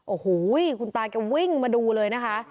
โอ้โหคุณตาแกวิ่งมาดูเลยนะคะ